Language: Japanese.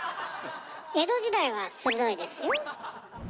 「江戸時代」は鋭いですよ。